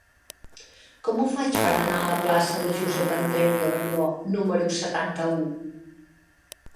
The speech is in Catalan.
Com ho faig per anar a la plaça de Josep Andreu i Abelló número setanta-u?